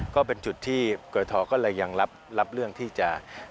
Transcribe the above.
ก็เป็นจุดที่กรทก็เลยยังรับเรื่องที่จะ